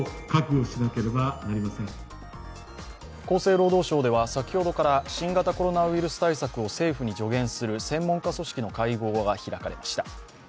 厚生労働省では先ほどから新型コロナウイルス対策を政府に助言する専門家組織の会合が開かれました。